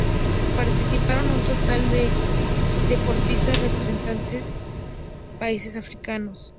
Participaron un total de xxx deportistas representantes de xx países africanos.